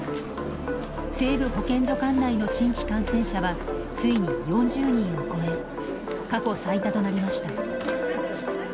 西部保健所管内の新規感染者はついに４０人を超え過去最多となりました。